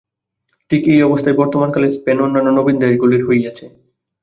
ঠিক এই অবস্থাই বর্তমান কালের স্পেন ও অন্যান্য নবীন দেশগুলির হইয়াছে।